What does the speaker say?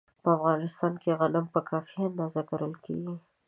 په افغانستان کې غنم په کافي اندازه کرل کېږي.